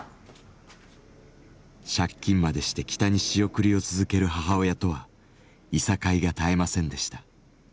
借金までして北に仕送りを続ける母親とはいさかいが絶えませんでした。